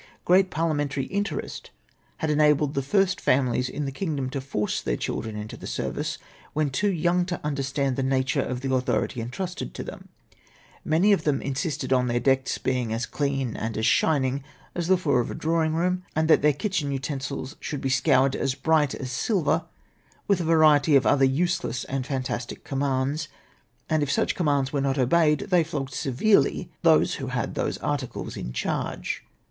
Gfreat parliamentary interest had enabled the first families in the kingdom to force their children into the service, when too young to understand the nature of the authority entrusted to them. Many of them insisted on their decks being as clean and as shining as the floor of a drawing room, and that their kitchen utensils should be scoured as bright as silver, with a variety of other useless and fantastic commands ; and if such commands were not obeyed, they flogged severely those who had those articles in charge.